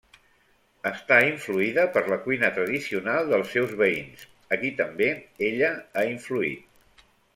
Està influïda per la cuina tradicional dels seus veïns, a qui també ella ha influït.